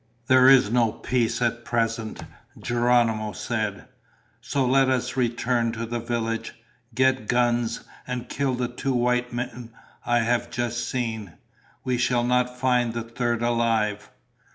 "There is no peace at present," Geronimo said, "so let us return to the village, get guns, and kill the two white men I have just seen. We shall not find the third alive."